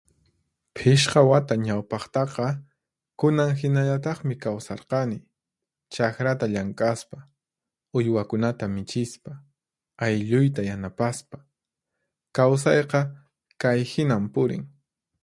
Phishqa wata ñawpaqtaqa, kunan hinallataqmi kawsarqani: chaqrata llank'aspa, uywakunata michispa, aylluyta yanapaspa. Kawsayqa kay hinan purin.